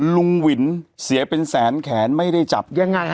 ลุงหวินเสียเป็นแสนแขนไม่ได้จับ